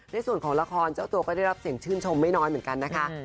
ในส่วนของละครเจ้าตัวก็ได้รับเสียงชื่นชมไม่น้อยเหมือนกันนะคะ